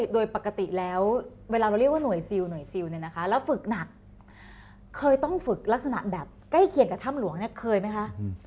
โดยปกติแล้วเวลาเราเรียกว่าหน่วยซิลหน่วยซิลเนี่ยนะคะแล้วฝึกหนักเคยต้องฝึกลักษณะแบบใกล้เคียงกับถ้ำหลวงเนี่ยเคยไหมคะ